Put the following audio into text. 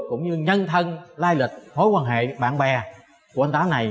cũng như nhân thân lai lịch hối quan hệ bạn bè của anh tám này